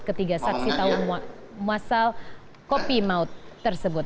ketiga saksi tahu muasal kopi maut tersebut